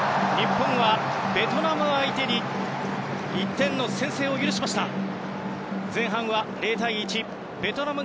日本はベトナム相手に１点の先制を許しました。